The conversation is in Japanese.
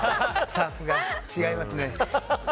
さすが、違いますね。